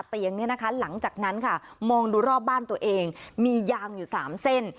เตียงเนี่ยนะคะหลังจากนั้นค่ะมองดูรอบบ้านตัวเองมียางอยู่๓เส้น